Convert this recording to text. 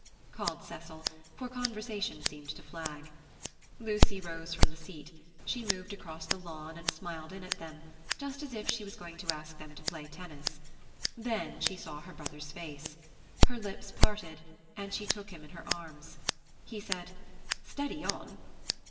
called Cecil, for conversation seemed to flag. Lucy rose from the seat. She moved across the lawn and smiled in at them, just as if she was going to ask them to play tennis. Then she saw her brother's face. Her lips parted, and she took him in her arms. He said, "Steady on!"